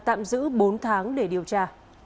tạm giữ bốn tháng để điều tra